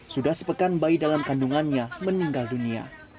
sudah sepekan bayi dalam kandungannya meninggal dunia